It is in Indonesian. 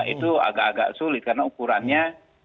itu agak agak sulit karena ukurannya